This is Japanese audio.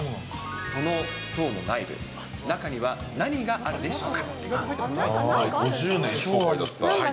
太陽の塔の内部、何があるでしょうか。